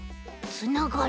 つながる。